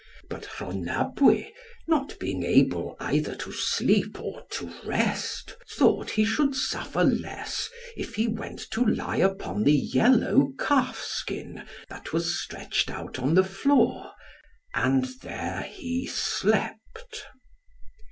But Rhonabwy, not being able either to sleep or to rest, thought he should suffer less if he went to lie upon the yellow calfskin that was stretched out on the floor. And there he slept.